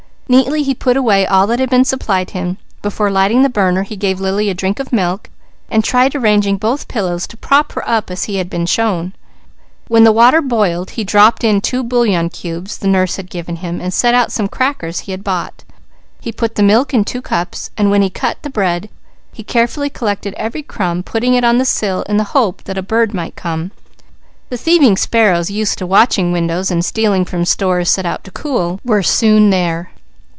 Neatly he put away all that had been supplied him; before lighting the burner he gave Lily a drink of milk and tried arranging both pillows to prop her up as he had been shown. When the water boiled he dropped in two bouillon cubes the nurse had given him, and set out some crackers he had bought. He put the milk in two cups, and when he cut the bread, he carefully collected every crumb, putting it on the sill in the hope that a bird might come. The thieving sparrows, used to watching windows and stealing from stores set out to cool, were soon there.